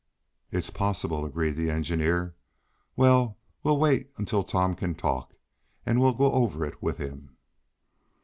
"It's possible," agreed the engineer. "Well, we'll wait until Tom can talk, and we'll go over it with him."